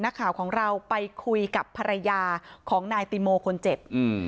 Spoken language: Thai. นักข่าวของเราไปคุยกับภรรยาของนายติโมคนเจ็บอืม